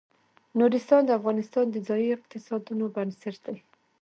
نورستان د افغانستان د ځایي اقتصادونو بنسټ دی.